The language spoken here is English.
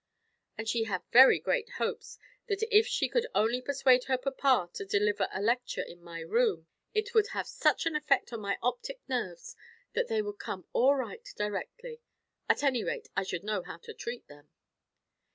And she had very great hopes, that if she could only persuade her papa to deliver a lecture in my room, it would have such an effect on my optic nerves, that they would come all right directly, at any rate I should know how to treat them.